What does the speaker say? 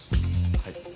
はい。